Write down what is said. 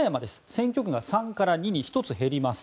選挙区が３から２に１つ減ります。